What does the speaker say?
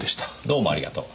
どうもありがとう。